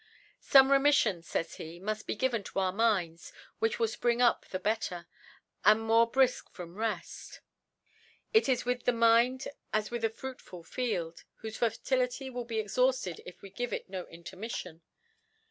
* Some Remiillon, fays he, muft be given * to our Minds, which will fpring up the * better, and nfM>rc briflc from Reft. It. is ^ vyitb ihe Mind as. with a fruitful Fields ^ whofe Fertility will be exhaufted if we ^ give in kiQ Jntermiffion.